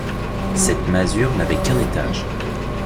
Cette masure n’avait qu’un étage.